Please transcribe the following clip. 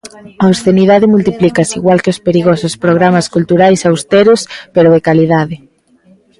A obscenidade multiplícase igual que os perigosos programas culturais austeros pero de calidade.